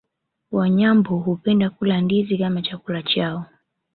Wanyambo hupenda kula ndizi kama chakula chao